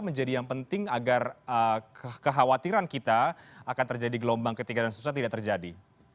menjadi yang penting agar kekhawatiran kita akan terjadi gelombang ketika yang susah tidak terjadi